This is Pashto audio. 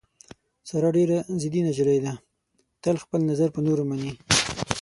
ساره ډېره ضدي نجیلۍ ده، تل خپل نظر په نورو مني.